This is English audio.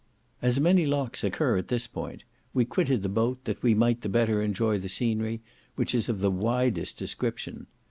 As many locks occur at this point, we quitted the boat, that we might the better enjoy the scenery, which is of the widest description.